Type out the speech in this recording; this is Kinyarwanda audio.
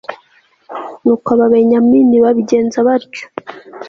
nuko ababenyamini babigenza batyo